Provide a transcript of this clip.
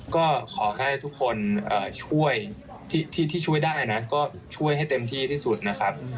ก็ขอให้ทุกคนช่วยที่ช่วยได้นะก็ช่วยให้เต็มที่ที่สุดนะครับ